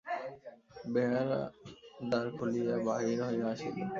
বেহারা দ্বার খুলিয়া বাহির হইয়া আসিল।